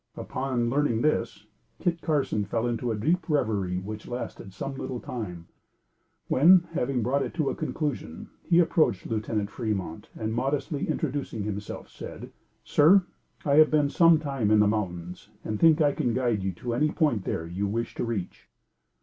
Upon learning this, Kit Carson fell into a deep reverie which lasted some little time, when, having brought it to a conclusion, he approached Lieutenant Fremont and modestly introducing himself, said: "Sir! I have been some time in the mountains and think I can guide you to any point there you wish to reach."